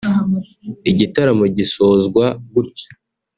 igitaramo gisozwa gutyo